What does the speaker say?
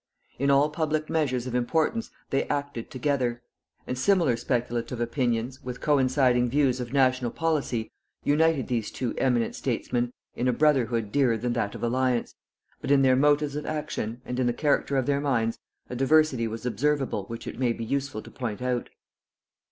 In all public measures of importance they acted together; and similar speculative opinions, with coinciding views of national policy, united these two eminent statesmen in a brotherhood dearer than that of alliance; but in their motives of action, and in the character of their minds, a diversity was observable which it may be useful to point out.